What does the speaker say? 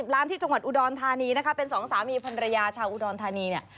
ล้านที่จังหวัดอุดรธานีนะคะเป็นสองสามีภรรยาชาวอุดรธานีเนี่ย